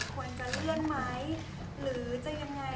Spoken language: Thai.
ควรจะเลื่อนไหมหรือจะยังไง